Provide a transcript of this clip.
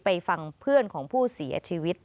ฟังเพื่อนของผู้เสียชีวิต